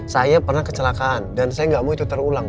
saya pernah kecelakaan dan saya nggak mau itu terulang